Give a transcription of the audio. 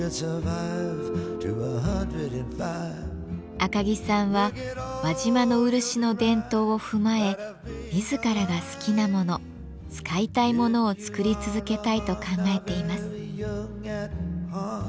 赤木さんは輪島の漆の伝統を踏まえ自らが好きなもの使いたいものを作り続けたいと考えています。